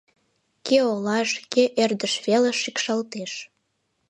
Кӧ олаш, кӧ ӧрдыж велыш шикшалтеш.